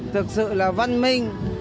thực sự là văn minh